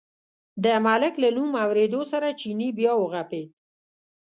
د ملک له نوم اورېدو سره چیني بیا و غپېد.